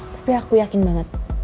tapi aku yakin banget